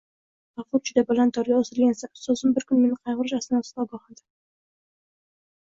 G`afur, juda baland dorga osilgansan, ustozim bir kuni meni qayg`urish asnosidaogohlantirdi